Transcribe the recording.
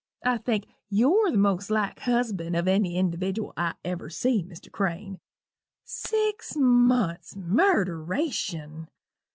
I think you're the most like husband of ary individdiwal I ever see, Mr. Crane. Six months Murderation!